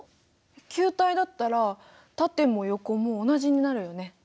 球体だったら縦も横も同じになるよね。